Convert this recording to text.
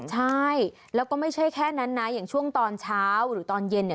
ใช่แล้วก็ไม่ใช่แค่นั้นนะอย่างช่วงตอนเช้าหรือตอนเย็นเนี่ย